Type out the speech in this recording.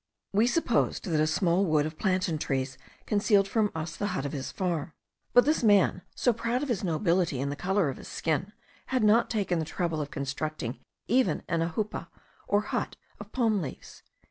We supposed that a small wood of plantain trees concealed from us the hut of the farm; but this man, so proud of his nobility and the colour of his skin, had not taken the trouble of constructing even an ajoupa, or hut of palm leaves.